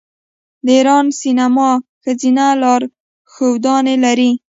د ایران سینما ښځینه لارښودانې لري.